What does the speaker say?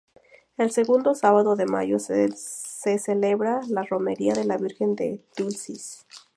El segundo sábado de mayo se celebra la romería de la virgen de Dulcis.